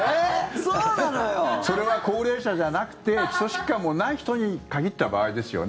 それは高齢者じゃなくて基礎疾患もない人に限った場合ですよね？